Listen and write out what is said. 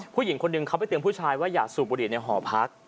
ผู้หญิงคนหนึ่งเขาไปเตือนผู้ชายว่าอย่าสูบบุหรี่ในหอพัก